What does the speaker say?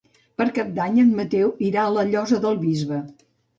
Per Cap d'Any en Mateu irà a la Llosa del Bisbe.